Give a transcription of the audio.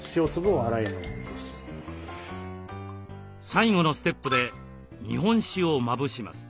最後のステップで日本酒をまぶします。